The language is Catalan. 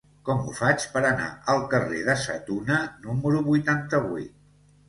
Com ho faig per anar al carrer de Sa Tuna número vuitanta-vuit?